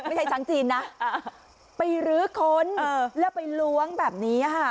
ไม่ใช่ช้างจีนนะไปรื้อค้นแล้วไปล้วงแบบนี้ค่ะ